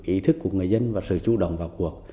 ý thức của người dân và sự chủ động vào cuộc